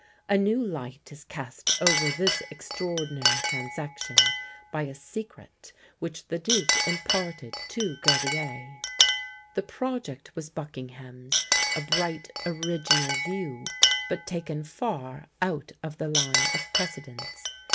A new light is cast over this extraordinary transaction, by a secret which the Duke imparted to Gerbier. The project was Buckingham's; a bright original view, but taken far out of the line of precedence.